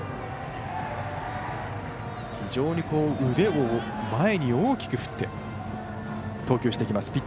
非常に腕を前に大きく振って投球していきます